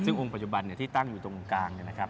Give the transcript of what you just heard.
ซึ่งองค์ปัจจุบันที่ตั้งอยู่ตรงกลางเนี่ยนะครับ